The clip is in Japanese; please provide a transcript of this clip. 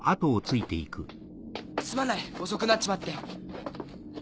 すまない遅くなっちまって。